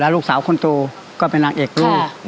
และลูกสาวคุณสู่ก็เป็นนางเอกลุ